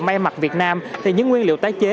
may mặt việt nam thì những nguyên liệu tái chế